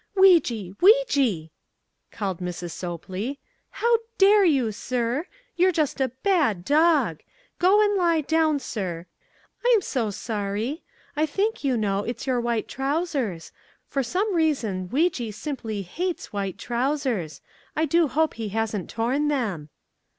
"Weejee! Weejee!" called Mrs. Sopley. "How DARE you, sir! You're just a BAD dog!! Go and lie down, sir. I'm so sorry. I think, you know, it's your white trousers. For some reason Weejee simply HATES white trousers. I do hope he hasn't torn them."